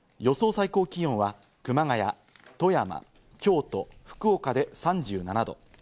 最高気温は熊谷、富山、京都、福岡で３７度。